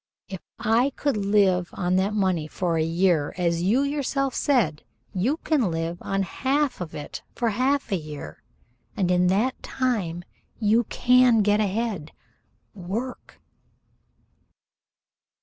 If I could live on that money for a year, as you yourself said, you can live on half of it for half a year, and in that time you can get ahead. Work."